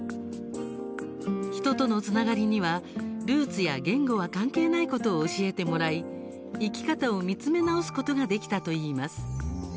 人とのつながりにはルーツや言語は関係ないことを教えてもらい生き方を見つめ直すことができたといいます。